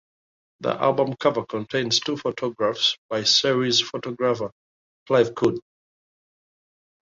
The album cover contains two photographs by Series Photographer Clive Coote.